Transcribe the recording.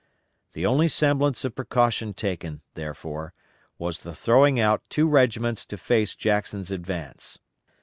The only semblance of precaution taken, therefore, was the throwing out two regiments to face Jackson's advance.